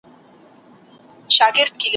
د بابر زړه په غمګین و ,